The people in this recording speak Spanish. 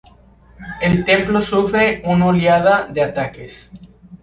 El Templo sufre una oleada de ataques.